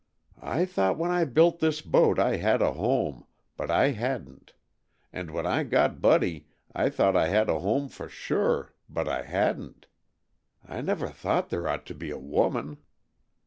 I thought when I built this boat I had a home, but I hadn't. And when I got Buddy I thought I had a home for sure, but I hadn't. I never thought there ought to be a woman.